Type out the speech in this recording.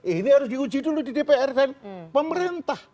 ini harus diuji dulu di dpr dan pemerintah